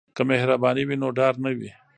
که مهرباني وي نو ډار نه وي.